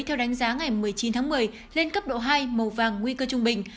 theo đánh giá ngày một mươi chín tháng một mươi lên cấp độ hai màu vàng nguy cơ trung bình